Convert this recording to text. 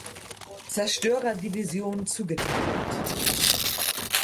Zerstörerdivision zugeteilt.